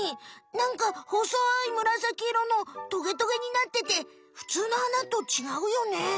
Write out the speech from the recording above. なんかほそいむらさきいろのトゲトゲになっててふつうの花とちがうよね。